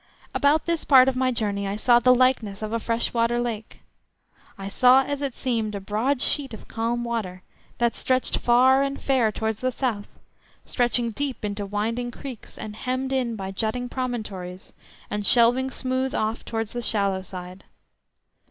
About this part of my journey I saw the likeness of a fresh water lake. I saw, as it seemed, a broad sheet of calm water, that stretched far and fair towards the south, stretching deep into winding creeks, and hemmed in by jutting promontories, and shelving smooth off towards the shallow side.